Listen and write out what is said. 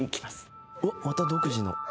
おっまた独自の。